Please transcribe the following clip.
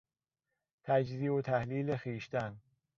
تجزیه و تحلیل خویشتن